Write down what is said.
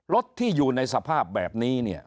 รถที่อยู่ในสภาพแบบนี้เนี่ย